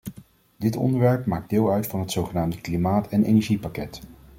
Dit onderwerp maakt deel uit van het zogenaamde klimaat- en energiepakket.